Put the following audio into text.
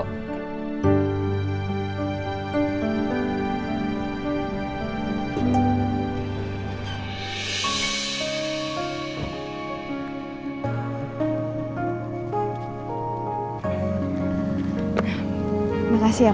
terima kasih ya mas